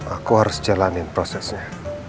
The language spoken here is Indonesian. aku harus jalanin prosesnya